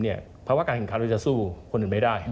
เพราะว่าการแข่งขันเราจะสู้คนอื่นไม่ได้